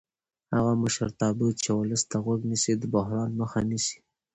هغه مشرتابه چې ولس ته غوږ نیسي د بحران مخه نیسي